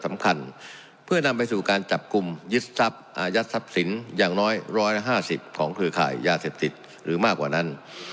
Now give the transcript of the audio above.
สำคัญเพื่อนำไปสู่การจับกลุ่มยึดทรัพย์อายัดทรัพย์สินอย่างน้อย๑๕๐ของเครือข่ายยาเสพติดหรือมากกว่านั้น